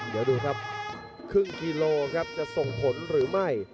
เดี๋ยวดูครับครึ่งกิโลครับจะส่งผลหรือไม่